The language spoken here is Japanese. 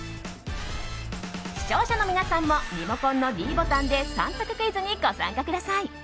視聴者の皆さんもリモコンのｄボタンで３択クイズにご参加ください。